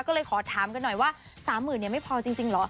ก็เลยขอถามกันหน่อยว่าสามหมื่นเนี่ยไม่พอจริงหรอ